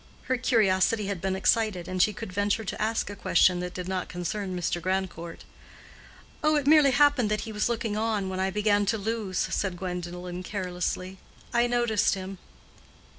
Her curiosity had been excited, and she could venture to ask a question that did not concern Mr. Grandcourt. "Oh, it merely happened that he was looking on when I began to lose," said Gwendolen, carelessly. "I noticed him."